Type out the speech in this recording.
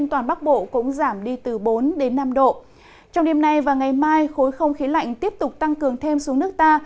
trong đêm nay và ngày mai khối không khí lạnh tiếp tục tăng cường thêm xuống nước ta